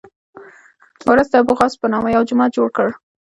ورته د ابوغوث په نامه یو جومات جوړ کړی.